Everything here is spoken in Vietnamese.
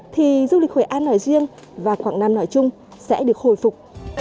thì du lịch hội an nổi riêng và quảng nam nổi chung sẽ được hồi phục